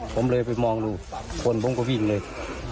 ผมเลยไปมองดูคนผมก็วิ่งเลย